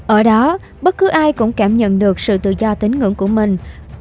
ở đó bất cứ ai cũng cảm nhận được sự tự do tín ngưỡng của mình